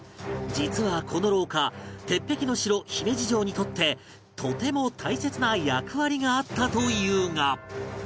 実はこの廊下鉄壁の城姫路城にとってとても大切な役割があったというが